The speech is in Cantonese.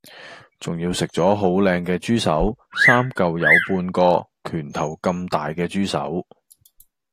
仲要食左好靚既豬手三舊有半個拳頭咁大既豬手